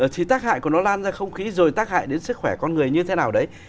thì tác hại của nó lan ra không khí rồi tác hại đến sức khỏe con người như thế nào đấy